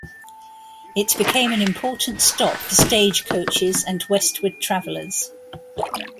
It became an important stop for stage coaches and westward travelers.